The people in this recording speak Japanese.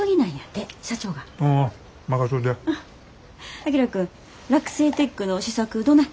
章君洛西テックの試作どない？